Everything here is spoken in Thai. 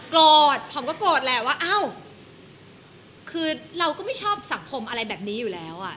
ผมก็โกรธแหละว่าอ้าวคือเราก็ไม่ชอบสังคมอะไรแบบนี้อยู่แล้วอ่ะ